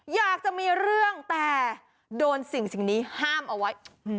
อยากจะมีเรื่องแต่โดนสิ่งนี้ห้ามเอาไว้